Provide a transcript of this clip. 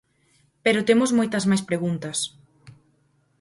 Pero temos moitas máis preguntas.